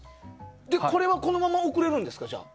これはこのまま送れるんですか？